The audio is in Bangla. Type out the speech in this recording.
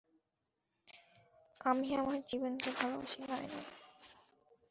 আমি আমার জীবনকে ভালোবাসি, নায়না।